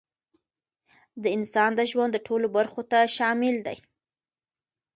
د انسان د ژوند ټولو برخو ته شامل دی،